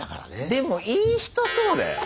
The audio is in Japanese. でもいい人そうだよ。